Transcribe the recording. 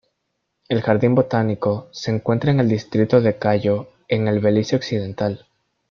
El jardín botánico se encuentra en el Distrito de Cayo en el Belice occidental.